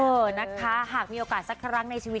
เออนะคะหากมีโอกาสสักครั้งในชีวิต